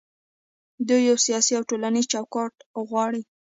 دوی یو سیاسي او ټولنیز چوکاټ غواړي.